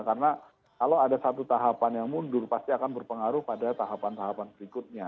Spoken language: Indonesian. karena kalau ada satu tahapan yang mundur pasti akan berpengaruh pada tahapan tahapan berikutnya